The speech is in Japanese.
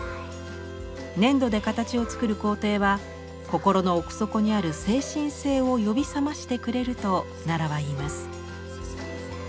粘土で形を作る工程は心の奥底にある精神性を呼び覚ましてくれると奈良はいいます。